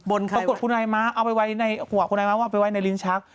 ปรากฏคุณนายม้าเอาไปไว้ในหัวคุณนายม้าว่าไปไว้ในลิ้นชัก